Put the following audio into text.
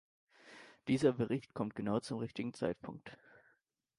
Dieser Bericht kommt genau zum richtigen Zeitpunkt.